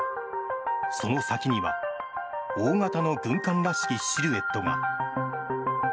その先には大型の軍艦らしきシルエットが。